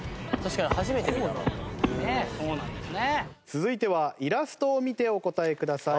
続いてはイラストを見てお答えください。